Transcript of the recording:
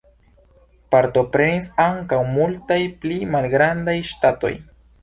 Partoprenis ankaŭ multaj pli malgrandaj ŝtatoj.